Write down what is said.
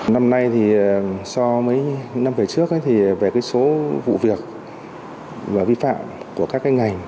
năm nay thì so với năm kể trước thì về số vụ việc và vi phạm của các ngành